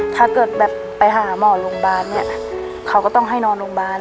ถ้าเกิดแบบไปหาหมอโรงพยาบาลเนี่ยเขาก็ต้องให้นอนโรงพยาบาล